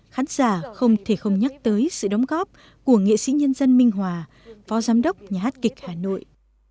khán giả không thể không nhắc tới sự đóng góp của nghệ sĩ nhân dân minh hòa phó giám đốc nhà hát kịch hà nội